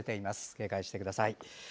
警戒してください。